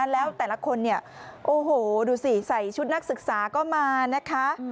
แล้วแต่ละคนดูสิใส่ชุดนักศึกษาก็มานะคะ